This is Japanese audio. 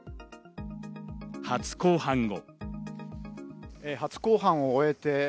初公判後。